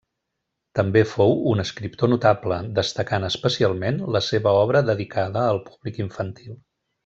També fou un escriptor notable, destacant especialment la seva obra dedicada al públic infantil.